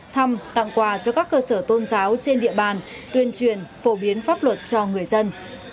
thăm tặng quà cho các cơ sở tôn giáo trên địa bàn tuyên truyền phổ biến pháp luật cho người dân